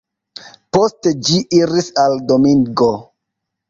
Poste ĝi iris al Domingo.